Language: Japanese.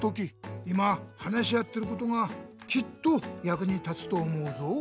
今話し合ってることがきっとやくに立つと思うぞ。